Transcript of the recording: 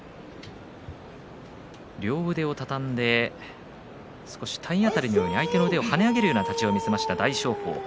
両腕を畳んで少し体当たりのように相手の腕を跳ね上げるような立ち合いを見せました、大翔鵬。